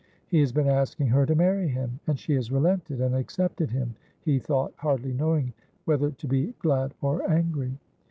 ' He has been asking her to marry him, and she has relented, and accepted him,' he thought, hardly knowing whether to be glad or angry.